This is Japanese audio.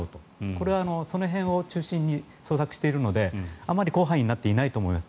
これはその辺を中心に捜索しているのであまり広範囲になっていないと思います。